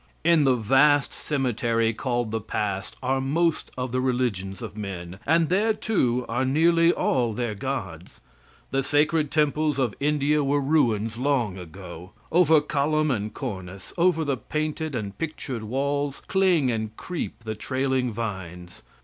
In the vast cemetery called the past are most of the religions of men, and there, too, are nearly all their gods. The sacred temples of India were ruins long ago. Over column and cornice; over the painted and pictured walls, cling and creep the trailing vines.